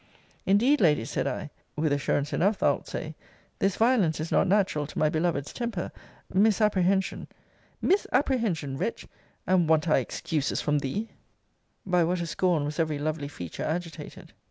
Indeed, Ladies, said I, [with assurance enough, thou'lt say,] this violence is not natural to my beloved's temper misapprehension Misapprehension, wretch! And want I excuses from thee! By what a scorn was every lovely feature agitated!